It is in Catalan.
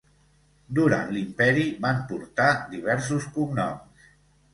Durant l'Imperi van portar diversos cognoms.